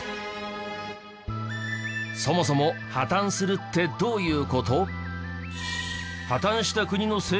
そもそも破綻するってどういう事？